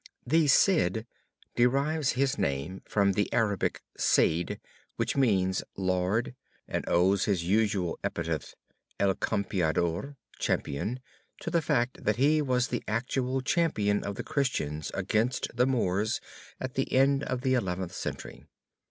The Cid derives his name from the Arabic Seid which means Lord and owes his usual epithet. El Campeador (champion), to the fact that he was the actual champion of the Christians against the Moors at the end of the Eleventh Century.